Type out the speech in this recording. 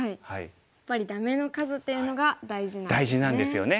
やっぱりダメの数っていうのが大事なんですね。